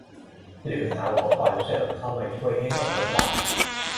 หรือหาอุปกรณ์เสริมเข้ามาช่วยให้สมบทบาท